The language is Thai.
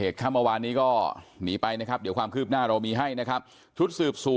ทั้งวานนี้นะฮะมือปืนที่ชื่อว่าไหมโบ๑๐๒